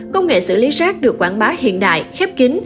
công nghệ xử lý rác được quảng bá hiện đại khép kín